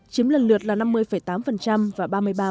chiếm lần lượt là năm mươi tám và ba mươi ba